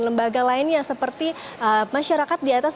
lembaga lainnya seperti masyarakat di atas